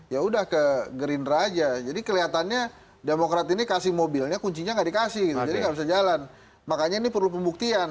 ya jadi kelihatannya demokrat ini kasih mobilnya kuncinya gak dikasih makanya ini perlu pembuktian